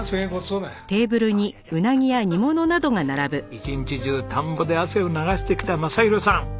一日中田んぼで汗を流してきた雅啓さん。